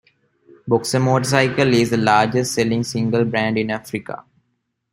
Boxer motorcycle is the largest selling single brand in Africa.